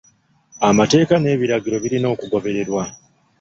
Amateeka n'ebiragiro birina okugobererwa.